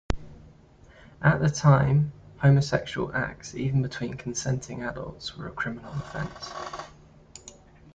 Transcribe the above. At the time, homosexual acts, even between consenting adults, were a criminal offense.